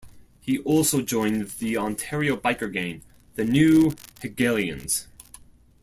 He also joined the Ontario biker gang The New Hegelians.